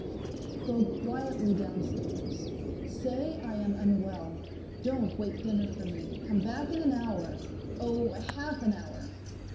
Go quietly downstairs. Say I am unwell; don't wait dinner for me; come back in an hour; oh, half an hour!